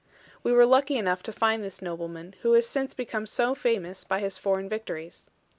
We were lucky enough to find this nobleman, who has since become so famous by his foreign victories.